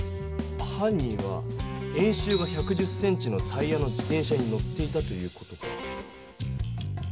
犯人は円周が１１０ｃｍのタイヤの自転車に乗っていたという事か。